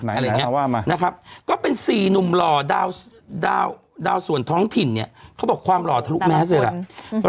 อะไรอย่างเงี้ว่ามานะครับก็เป็นสี่หนุ่มหล่อดาวส่วนท้องถิ่นเนี่ยเขาบอกความหล่อทะลุแมสเลยล่ะ